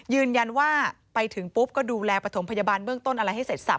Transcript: ยืนยันว่าไปถึงปุ๊บก็ดูแลปฐมพยาบาลเบื้องต้นอะไรให้เสร็จสับ